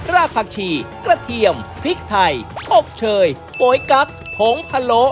รากผักชีกระเทียมพริกไทยอบเชยโป๊ยกั๊กผงพะโล